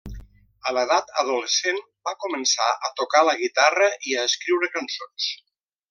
A l’edat adolescent va començar a tocar la guitarra i a escriure cançons.